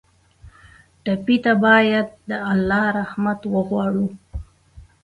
ټپي ته باید د الله رحمت وغواړو.